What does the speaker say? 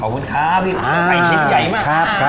ขอบคุณค่ะไก่ชิ้นใหญ่มาก